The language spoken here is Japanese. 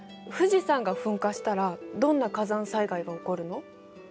富士山が噴火したらどんな火山災害が起こるの？